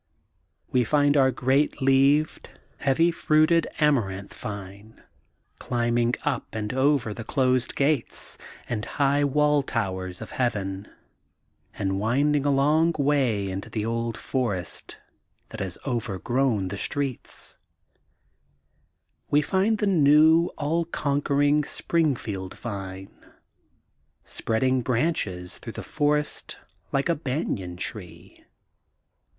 We find our great leaved, heavy THE GOLDEN BOOK OF SPRINGFIELD 823 fruited Amaranth Vine, climbing up over tho closed gates and kigh wall towers of Heaven and winding a long way into the old forest that has overgrown the streets. We find the new all conquering Springfield vine, spread ing branches through the forest like a banyan tree.